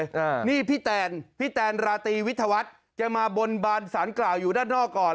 อ่านี่พี่แตนพี่แตนราตรีวิทยาวัฒน์จะมาบนบานสารกล่าวอยู่ด้านนอกก่อน